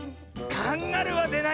カンガルーはでないよ。